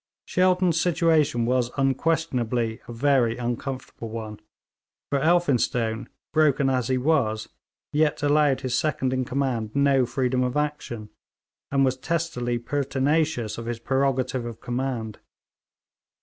Shelton's situation was unquestionably a very uncomfortable one, for Elphinstone, broken as he was, yet allowed his second in command no freedom of action, and was testily pertinacious of his prerogative of command.